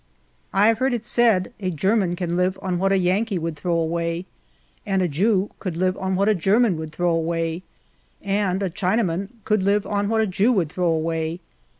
I have heard it said a German can live on what a Yankee would throw away, and a Jew could live on what a German would throw awaj', and a Chinaman could live on what a Jew would throw away.